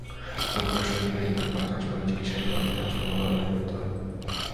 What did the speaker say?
বগুড়ার শহীদ medical college হাসপাতালে চিকিৎসাধীন অবস্থায় আজ মঙ্গলবার তাঁদের মৃত্যু হয়।